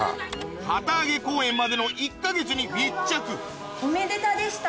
旗揚げ公演までの１か月に密着おめでたでした。